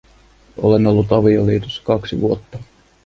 Olen ollut avioliitossa kaksi vuotta.